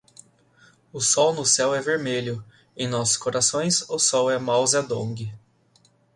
O sol no céu é vermelho, em nossos corações, o sol é Mao Zedong